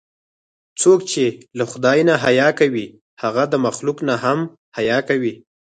څوک چې له خدای نه حیا کوي، هغه د مخلوق نه هم حیا کوي.